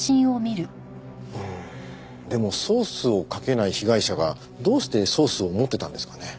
うーんでもソースをかけない被害者がどうしてソースを持ってたんですかね？